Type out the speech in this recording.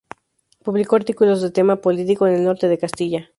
Publicó artículos de tema político en "El Norte de Castilla".